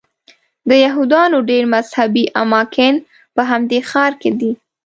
د یهودانو ډېر مذهبي اماکن په همدې ښار کې دي.